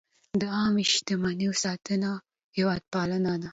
د عامه شتمنیو ساتنه هېوادپالنه ده.